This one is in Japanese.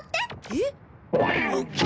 えっ？